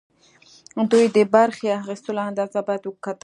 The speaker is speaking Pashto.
دوی د برخې اخیستلو اندازه باید وکتل شي.